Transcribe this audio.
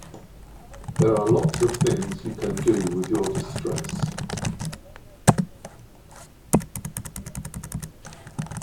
There are lots of things you can do with your distress.